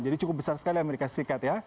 jadi cukup besar sekali dari amerika serikat